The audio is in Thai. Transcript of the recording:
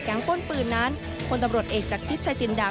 ทางก้นปืนนั้นคนตำรวจเอกจากทริปชายจินดา